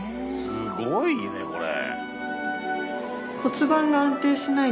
すごいねこれ。